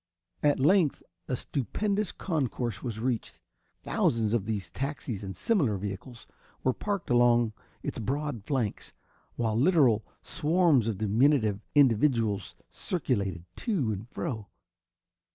At length a stupendous concourse was reached. Thousands of these taxis and similar vehicles were parked along its broad flanks, while literal swarms of diminutive individuals circulated to and fro.